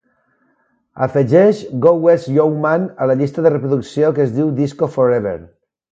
Afegeix "Go West Young Man" a la llista de reproducció que es diu Disco Forever.